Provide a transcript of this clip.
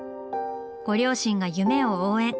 ご両親が夢を応援！